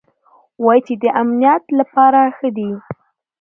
وايي چې د امنيت له پاره ښه دي.